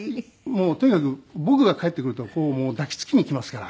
もうとにかく僕が帰ってくると抱きつきに来ますから。